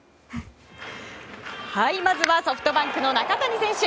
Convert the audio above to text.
まずソフトバンクの中谷選手。